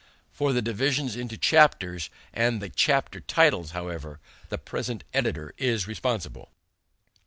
For the division into chapters and the chapter titles, however, the present editor is responsible.